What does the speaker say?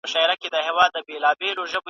ټول وجود یې په لړزه وي او ویریږي .